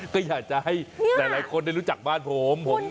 ก็อยากจะให้หลายคนได้รู้จักบ้านผม